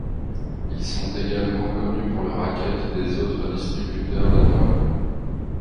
Ils sont également connus pour le racket des autres distributeurs de drogue.